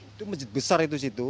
itu masjid besar itu situ